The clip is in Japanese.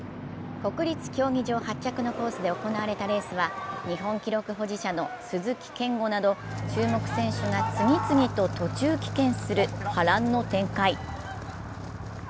国立競技場発着のコースで行われたレースは日本記録保持者の鈴木健吾など注目選手が次々と途中棄権する波乱の展開。